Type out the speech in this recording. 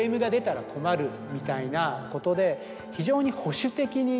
みたいなことで。